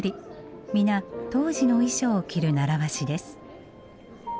皆当時の衣装を着る習わしです。